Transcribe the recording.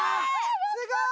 すごい！